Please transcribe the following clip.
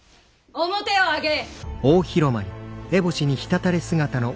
・面を上げい。